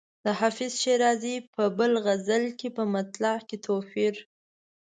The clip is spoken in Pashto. د حافظ شیرازي په بل غزل کې په مطلع کې توپیر.